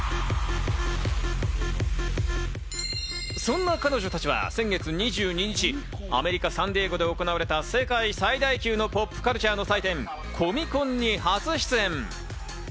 そんな彼女たちは先月２２日、アメリカ・サンディエゴで行われた世界最大級のポップカルチャーの祭典・コミコンに初出演。